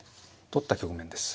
取った局面です。